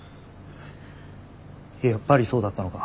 やっぱりそうだったのか！？